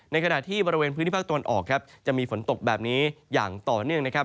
ขณะที่บริเวณพื้นที่ภาคตะวันออกครับจะมีฝนตกแบบนี้อย่างต่อเนื่องนะครับ